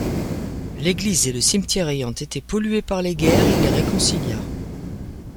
L'église et le cimetière ayant été pollués par les guerres, il les réconcilia.